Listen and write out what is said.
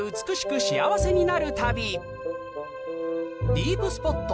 ディープスポット